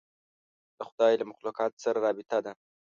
د خدای له مخلوقاتو سره رابطه ده.